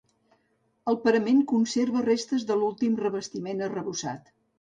El parament conserva restes de l'últim revestiment arrebossat.